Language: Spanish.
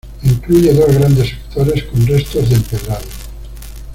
Incluye dos grandes sectores con restos de empedrado.